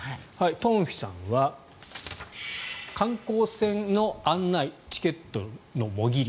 東輝さんは観光船の案内チケットのもぎり。